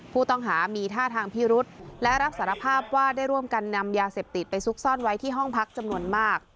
ผู้ต้องหามีท่าทางพิรุษและรับสารภาพว่าได้ร่วมกันนำยาเสพติดไปซุกซ่อนไว้ที่ห้องพักจำนวนมาก